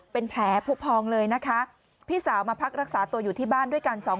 เป็นแผลผู้พองเลยนะคะพี่สาวมาพักรักษาตัวอยู่ที่บ้านด้วยกันสองคน